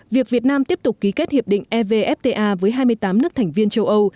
việc việt nam tiếp tục ký kết hiệp định evfta với hai mươi tám nước thành viên châu âu